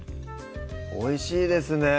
おいしいですね